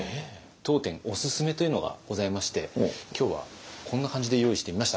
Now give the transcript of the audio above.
当店おすすめというのがございまして今日はこんな感じで用意してみました。